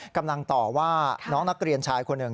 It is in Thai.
กำลังต่อว่าน้องนักเรียนชายคนหนึ่ง